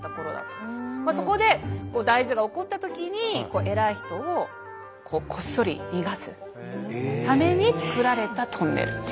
そこで大事が起こったときに偉い人をこっそり逃がすためにつくられたトンネルっていう。